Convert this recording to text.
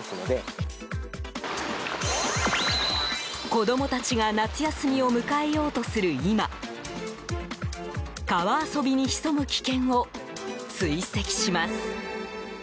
子供たちが夏休みを迎えようとする今川遊びに潜む危険を追跡します。